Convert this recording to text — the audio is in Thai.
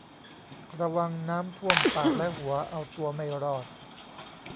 ระวังน้ำท่วม ปากและหัว เอาตัวไม่รอด